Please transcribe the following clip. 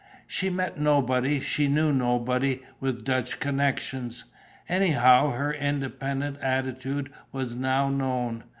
She met nobody, she knew nobody with Dutch connections. Anyhow, her independent attitude was now known.